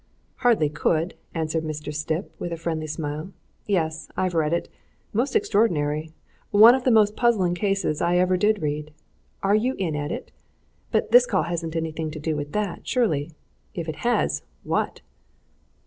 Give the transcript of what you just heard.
"Hardly could!" answered Mr. Stipp, with a friendly smile. "Yes I've read it. Most extraordinary! One of the most puzzling cases I ever did read. Are you in at it? But this call hasn't anything to do with that, surely? If it has what?"